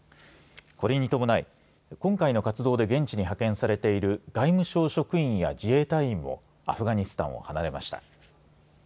これに伴い、今回の活動で現地に派遣されている、外務省職員や自衛隊員もアフガニスタンを離れました。